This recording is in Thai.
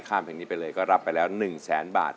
เพลงนี้ไปเลยก็รับไปแล้ว๑แสนบาท